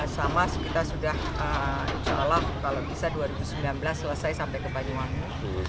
sama kita sudah insya allah kalau bisa dua ribu sembilan belas selesai sampai ke banyuwangi